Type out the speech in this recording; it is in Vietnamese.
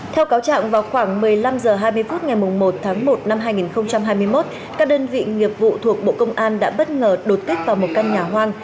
theo cáo trạng vào khoảng một mươi năm h hai mươi phút ngày một tháng một năm hai nghìn hai mươi một các đơn vị nghiệp vụ thuộc bộ công an đã bất ngờ đột kích vào một căn nhà hoang